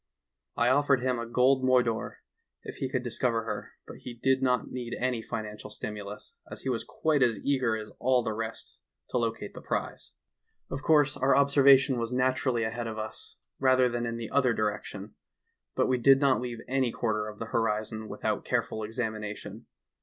I ofi'ered him a gold moidore if he would discover her, but he did not need any financial stimulus, as he was quite as eager as all the rest to locate the prize. 12 178 THE TALKING HANDKERCHIEF. ^'Of course, our observation was naturally ahead of us, rather than in the other direction, but we did not leave any quarter of the horizon without careful examination.